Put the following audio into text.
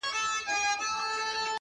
لا به په تا پسي توېږي اوښکي،